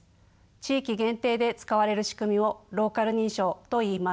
地域限定で使われる仕組みをローカル認証といいます。